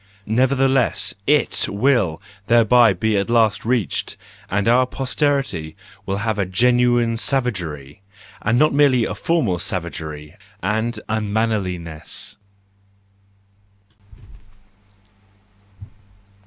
Nevertheless it will thereby be at last reached, and our posterity will have a genuine savagery , and not merely a formal savagery and unmannerliness.